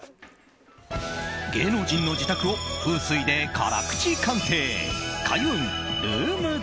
芸能人の自宅を風水で辛口鑑定。